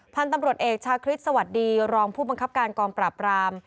พันธุ์ตำรวจเอกชาคริสต์สวัสดีรองผู้บังคับการกองปราบราม